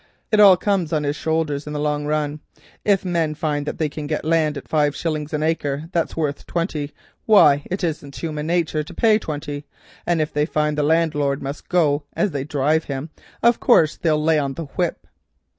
It all comes on his shoulders in the long run. If men find they can get land at five shillings an acre that's worth twenty, why it isn't in human natur to pay twenty, and if they find that the landlord must go as they drive him, of course they'll lay on the whip.